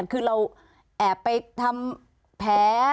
คือเราแอบไปทำแผล